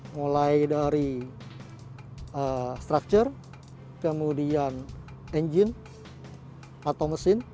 mulai dari structure kemudian engine atau mesin